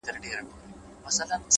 چي هغه ستا سيورى له مځكي ورك سو!!